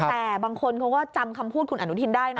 แต่บางคนเขาก็จำคำพูดคุณอนุทินได้นะ